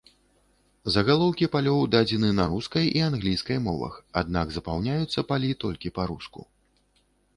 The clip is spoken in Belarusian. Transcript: Загалоўкі палёў дадзены на рускай і англійскай мовах, аднак запаўняюцца палі толькі па-руску.